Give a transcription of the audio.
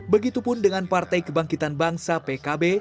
begitupun dengan partai kebangkitan bangsa pkb